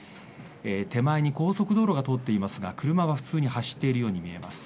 手前に高速道路が通っていますが車は普通に走っているように見えます。